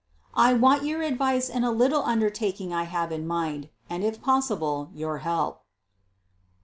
"I want your ad vice in a little undertaking I have in mind, and, if possible, your help."